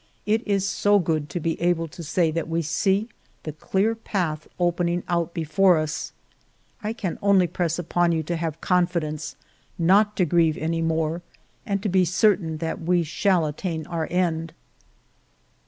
It is so good to be able to say that we see the clear path opening out before us. I can only press upon you to have confidence, not 26o FIVE YEARS OF MY LIFE to grieve any more, and to be very certain that we shall attain our end."